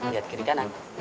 lihat kiri kanan